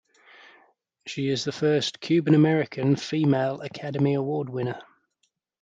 She is the first Cuban-American female Academy Award winner.